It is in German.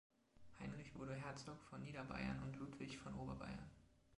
Heinrich wurde Herzog von Niederbayern und Ludwig von Oberbayern.